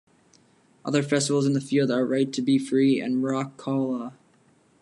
Other festivals in the field are "Right to be free" and "Rock-kola".